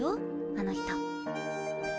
あの人。